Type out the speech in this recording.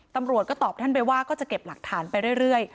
ตำรวจก็ตอบท่านไปว่าก็จะเก็บหลักฐานไปเรื่อย